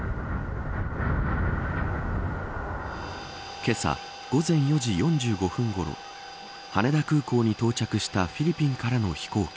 けさ、午前４時４５分ごろ羽田空港に到着したフィリピンからの飛行機。